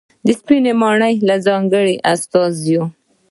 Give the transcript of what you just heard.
د سپینې ماڼۍ له ځانګړې استازي